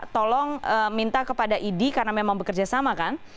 tolong minta kepada idi karena memang bekerja sama kan